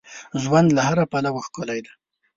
ژوند له هر پلوه ښکلی دی.